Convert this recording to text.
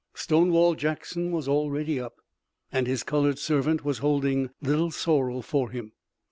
Stonewall Jackson was already up, and his colored servant was holding Little Sorrel for him.